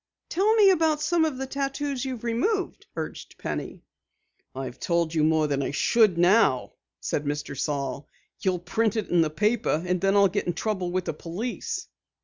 "Tell me about some of the tattoos you've removed," urged Penny. "I've told you more than I should now," said Mr. Saal. "You'll print it in the paper and then I'll get into trouble with the police."